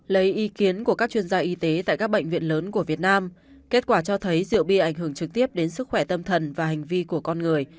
lấy ý kiến của các chuyên gia y tế tại các bệnh viện lớn của việt nam kết quả cho thấy rượu bia ảnh hưởng trực tiếp đến sức khỏe tâm thần và hành vi của con người